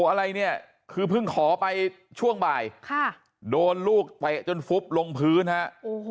อะไรคือเพิ่งขอไปช่วงบ่ายค่ะโดนลูกแตะจนพุบลงพื้นฮะโอ้โห